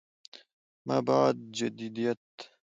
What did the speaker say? ما بعد جديديت